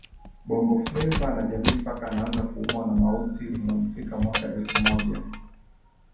Bongo Fleva na jamii mpaka anaanza kuumwa na mauti unamfika Mwaka elfu moja